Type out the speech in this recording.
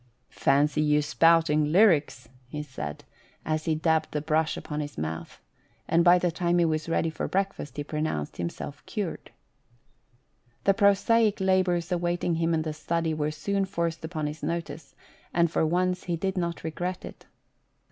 " Fancy you spouting lyrics," he said, as he dabbed the brush upon his mouth, and by the time he was ready for breakfast he pronounced himself cured. The prosaic labours awaiting him in the study were soon forced upon his notice, and for once he did not regret it.